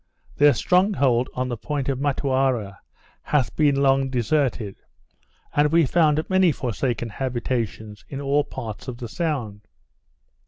Their stronghold on the point of Motuara hath been long deserted; and we found many forsaken habitations in all parts of the sound.